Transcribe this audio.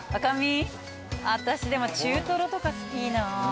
私でも中トロとか好き。